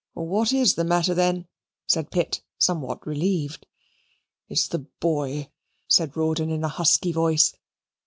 "What is the matter, then?" said Pitt, somewhat relieved. "It's the boy," said Rawdon in a husky voice.